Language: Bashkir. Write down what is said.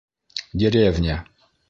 Деревня!